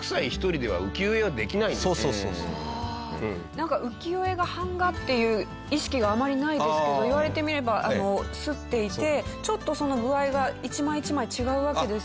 だから北斎はなんか浮世絵が版画っていう意識があまりないですけど言われてみれば摺っていてちょっとその具合が一枚一枚違うわけですよね。